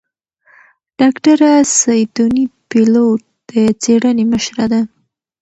ډاکتره سیدوني بېلوت د څېړنې مشره ده.